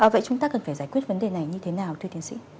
vậy chúng ta cần phải giải quyết vấn đề này như thế nào thưa tiến sĩ